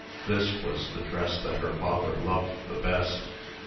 This was the dress that her father loved the best.